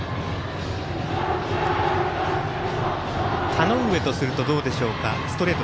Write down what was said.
田上とするとどうでしょうか。